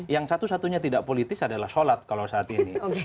yang satu satunya tidak politis adalah sholat kalau saat ini